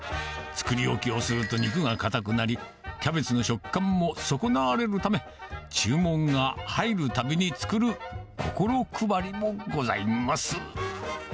作り置きをすると肉が硬くなり、キャベツの食感も損なわれるため、注文が入るたびに作る心配りもございます。